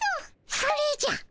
それじゃ！